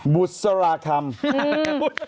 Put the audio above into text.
บุษราคำ